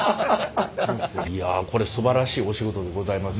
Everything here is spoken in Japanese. いやこれすばらしいお仕事でございます。